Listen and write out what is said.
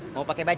mau pakai bajaj